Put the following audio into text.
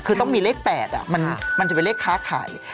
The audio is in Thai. คือต้องมีเลข๘มันจะเป็นเลขค้าขาย